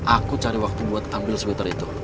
aku cari waktu buat ambil sweeter itu